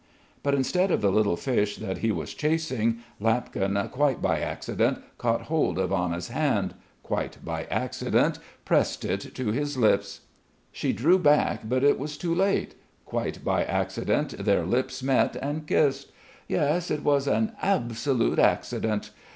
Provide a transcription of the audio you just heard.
But instead of the little fish that he was chasing, Lapkin quite by accident caught hold of Anna's hand quite by accident pressed it to his lips. She drew back, but it was too late; quite by accident their lips met and kissed; yes, it was an absolute accident!